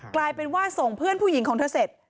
กลายเป็นว่าส่งเพื่อนผู้หญิงของเธอเสร็จ